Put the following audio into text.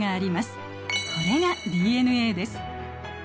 これがＤＮＡです。